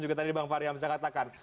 juga tadi bang faryam saya katakan